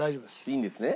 いいんですね？